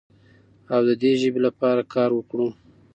او د دې ژبې لپاره کار وکړو.